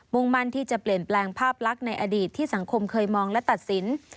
มั่นที่จะเปลี่ยนแปลงภาพลักษณ์ในอดีตที่สังคมเคยมองและตัดสิน